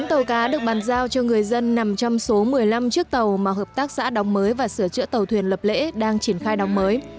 bốn tàu cá được bàn giao cho người dân nằm trong số một mươi năm chiếc tàu mà hợp tác xã đóng mới và sửa chữa tàu thuyền lập lễ đang triển khai đóng mới